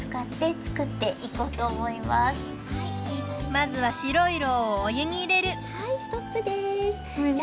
まずはしろいろうをおゆにいれるはいストップです。